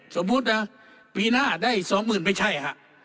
สมมุตินะปีหน้าได้สองหมื่นไม่ใช่ฮะ